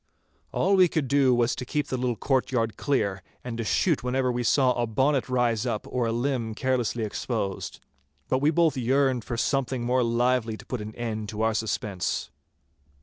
All we could do was to keep the little courtyard clear, and to shoot whenever we saw a bonnet rise up or a limb carelessly exposed. But we both yearned for something more lively to put an end to our suspense.